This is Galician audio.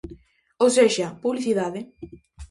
Ou sexa: publicidade.